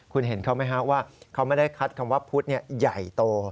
คุณเห็นเขาไหมฮะว่าเขาไม่ได้คัดคำว่าพุทธใหญ่โต